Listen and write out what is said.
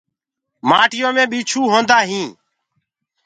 مآٽو مي ٻيڇو هوندآ هودآ هينٚ۔